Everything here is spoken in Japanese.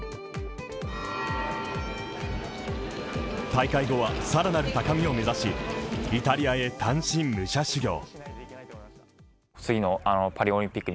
大会後は更なる高みを目指しイタリアへ単身武者修行。